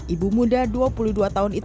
ibu muda dua puluh dua tahun itu